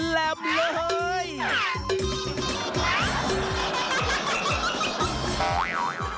แล็บเลย